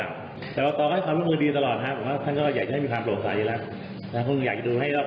เนี่ยค่อนข้างจะคอยรอต่อมาอีกนอกนะครับ